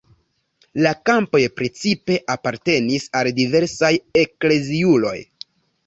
La kampoj precipe apartenis al diversaj ekleziuloj.